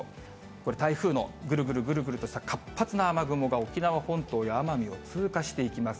これ、台風のぐるぐるぐるぐるとした活発な雨雲が沖縄本島や奄美を通過していきます。